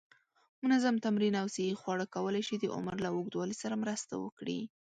منظم تمرین او صحی خواړه کولی شي د عمر له اوږدوالي سره مرسته وکړي.